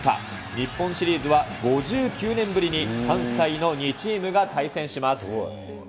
日本シリーズは５９年ぶりに関西の２チームが対戦します。